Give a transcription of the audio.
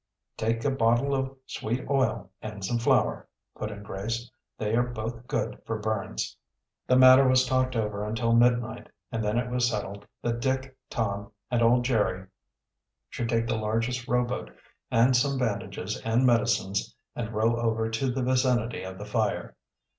"Take a bottle of sweet oil and some flour," put in Grace. "They are both good for burns." The matter was talked over until midnight, and then it was settled that Dick, Tom, and old Jerry should take the largest rowboat and some bandages and medicines and row over to the vicinity of the fire.